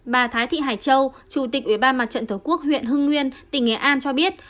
bà thái thị hải châu chủ tịch ủy ban mặt trận tổ quốc huyện hưng nguyên tỉnh nghệ an cho biết